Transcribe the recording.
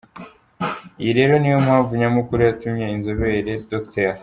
Iyi rero ni yo mpamvu nyamukuru yatumye inzobere Dr.